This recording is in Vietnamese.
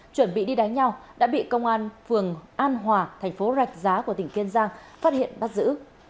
chuẩn bị đi đánh nhau đã bị công an phường an hòa tp rạch giá của tỉnh tiên giang phát hiện bắt giữ